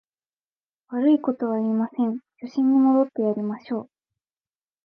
悪いことは言いません、初心に戻ってやりましょう